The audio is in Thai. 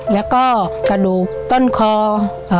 และก็กระดูกต้นคลิก